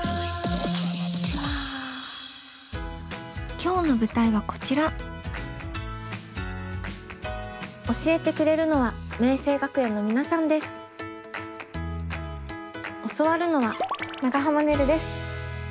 今日の舞台はこちら教えてくれるのは教わるのは長濱ねるです。